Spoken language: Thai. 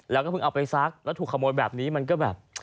แล้วก็เพิ่งเอาไปซักแล้วถูกขโมยแบบนี้มันก็แบบ